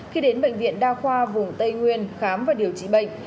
khi đến bệnh viện đa khoa vùng tây nguyên khám và điều trị bệnh